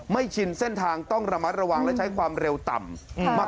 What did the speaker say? ชินเส้นทางต้องระมัดระวังและใช้ความเร็วต่ำมาก